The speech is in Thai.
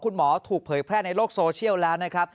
ถูกเผยแพร่ในโลกโซเชียลแล้วนะครับ